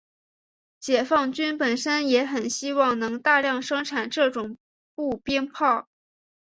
解放军本身也很希望能大量生产这种步兵炮。